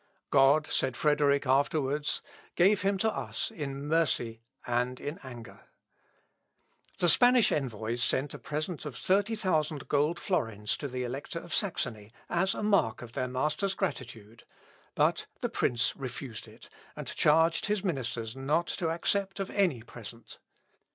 "God," said Frederick afterwards, "gave him to us in mercy and in anger." The Spanish envoys sent a present of thirty thousand gold florins to the Elector of Saxony, as a mark of their master's gratitude; but the prince refused it, and charged his ministers not to accept of any present.